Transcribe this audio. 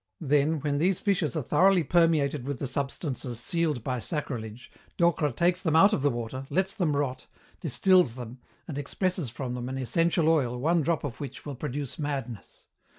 Then, when these fishes are thoroughly permeated with the substances sealed by sacrilege, Docre takes them out of the water, lets them rot, distills them, and expresses from them an essential oil one drop of which will produce madness.